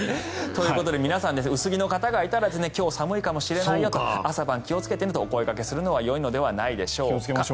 ということで皆さん、薄着の方がいたら今日、寒いかもしれないよと朝晩気をつけてねとお声掛けするのがよいのではないでしょうか。